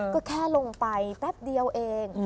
ก็แค่ลงไปแป๊บเดียวเอง